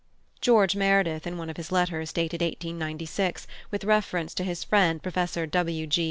George Meredith, in one of his letters, dated 1896, with reference to his friend Professor W. G.